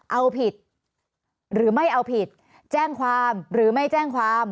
เอาผิดหรือไม่เอาผิดแจ้งความหรือไม่แจ้งความ